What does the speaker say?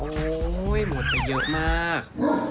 โอ้โหหมดไปเยอะมาก